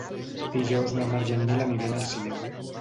Dijous na Mar i en Nil aniran al cinema.